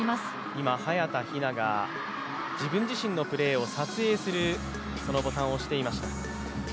今、早田ひなが自分自身のプレーを撮影するボタンを押していました。